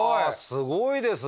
すごいですね。